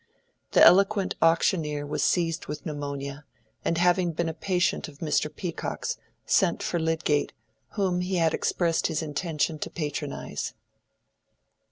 The eloquent auctioneer was seized with pneumonia, and having been a patient of Mr. Peacock's, sent for Lydgate, whom he had expressed his intention to patronize.